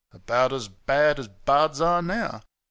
About as bad as bards are now.